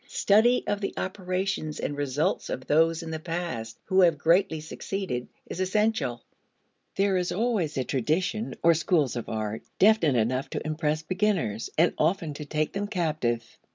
Study of the operations and results of those in the past who have greatly succeeded is essential. There is always a tradition, or schools of art, definite enough to impress beginners, and often to take them captive.